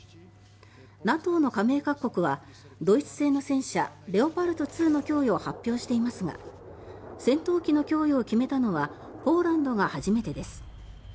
ＮＡＴＯの加盟各国はドイツ製の戦車レオパルト２の供与を発表していますが戦闘機の供与を決めたのはポーランドが初めてです。